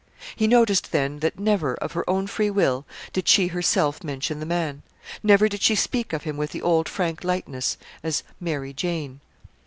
He noticed then that never, of her own free will, did she herself mention the man; never did she speak of him with the old frank lightness as "Mary Jane."